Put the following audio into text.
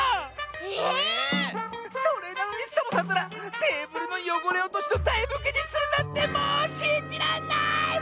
ええ⁉それなのにサボさんったらテーブルのよごれおとしのだいふきにするなんてもうしんじらんない！